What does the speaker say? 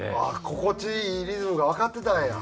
心地いいリズムがわかってたんや。